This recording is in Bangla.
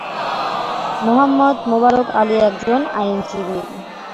মোহাম্মদ মোবারক আলী একজন আইনজীবী।